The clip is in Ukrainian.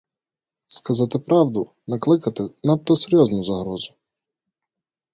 Сказати правду — накликати надто серйозну загрозу.